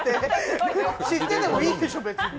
知っててもいいでしょ、別に。